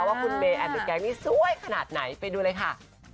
ว่าคุณเบแอนติแก๊งนี้สวยขนาดไหนไปดูเลยค่ะ